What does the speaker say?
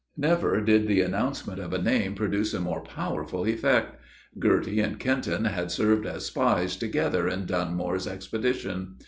Never did the announcement of a name produce a more powerful effect. Girty and Kenton had served as spies together in Dunmore's expedition.